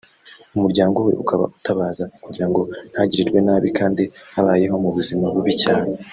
umuryango we ukaba utabaza kugirango ntagirirwe nabi kandi abayeho mu buzima bubi cyane